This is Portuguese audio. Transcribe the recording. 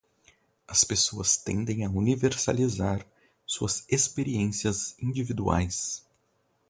As pessoas tendem a universalizar suas experiências individuais